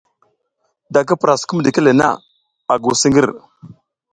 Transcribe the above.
Da ki pura sukum ɗike le na, a nguw siƞgir.